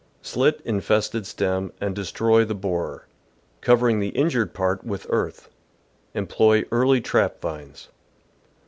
— Slit infested stem, and destroy the borer, covering the injured part with earth. Employ early trap vines.